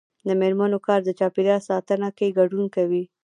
د میرمنو کار د چاپیریال ساتنه کې ګډون کوي.